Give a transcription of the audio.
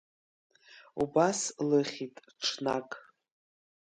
Убас лыхьит ҽнак…